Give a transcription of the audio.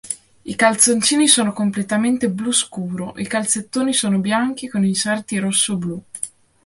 I calzoncini sono completamente blu scuro, i calzettoni sono bianchi con inserti rossoblù.